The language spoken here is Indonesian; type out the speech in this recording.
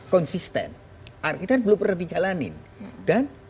konsisten kita belum berhenti jalanin